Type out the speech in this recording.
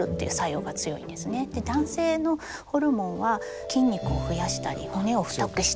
男性のホルモンは筋肉を増やしたり骨を太くしたり。